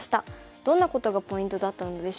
どんなことがポイントだったのでしょうか。